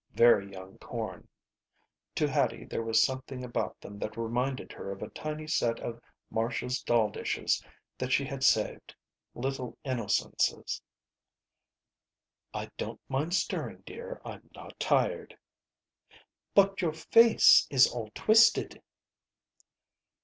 Very young corn. To Hattie there was something about them that reminded her of a tiny set of Marcia's doll dishes that she had saved. Little innocences. "I don't mind stirring, dear. I'm not tired." "But your face is all twisted."